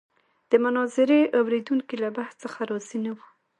د مناظرې اورېدونکي له بحث څخه راضي نه وو.